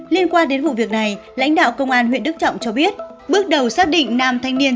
liên quan đến vụ việc này lãnh đạo công an huyện đức trọng cho biết bước đầu xác định nam thanh niên